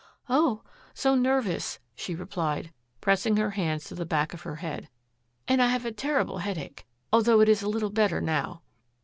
"Oh, so nervous," she replied, pressing her hands to the back of her head, "and I have a terrible headache, although it is a little better now."